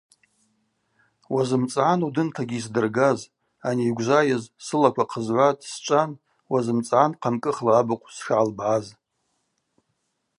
Уазымцӏгӏан удынтагьи йсдыргаз, ани йгвжвайыз – сылаква хъызгӏватӏ, счӏван уазымцӏгӏан хъамкӏыхла абыхъв сшгӏалбгӏаз.